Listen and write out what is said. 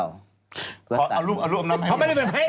เพราะไม่ได้เป็นพระเอก